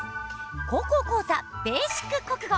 高校講座「ベーシック国語」。